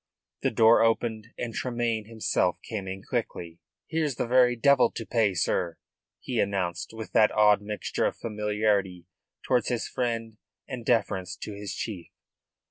The door opened, and Tremayne himself came in quickly. "Here's the very devil to pay, sir," he announced, with that odd mixture of familiarity towards his friend and deference to his chief.